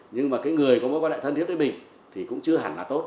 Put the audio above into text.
nhưng mà cái người có mối quan hệ thân thiết với mình thì cũng chưa hẳn là tốt